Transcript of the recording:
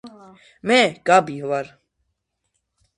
მე გაბი, ვარ